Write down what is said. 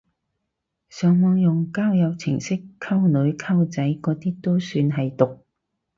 上網用交友程式溝女溝仔嗰啲都算係毒！